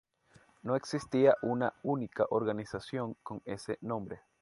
No existía una única organización con ese nombre.